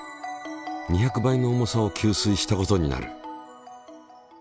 ２００倍の重さを吸水したことになる。